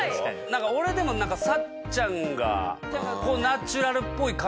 俺でもさっちゃんがナチュラルっぽい感じで。